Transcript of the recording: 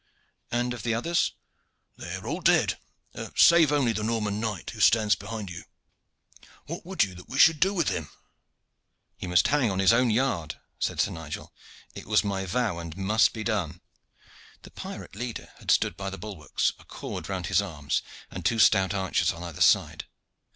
"And of the others?" "They are all dead save only the Norman knight who stands behind you. What would you that we should do with him?" "He must hang on his own yard," said Sir Nigel. "It was my vow and must be done." The pirate leader had stood by the bulwarks, a cord round his arms, and two stout archers on either side.